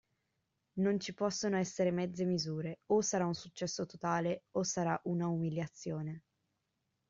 Non ci possono essere mezze misure: o sarà un successo totale o sarà una umiliazione.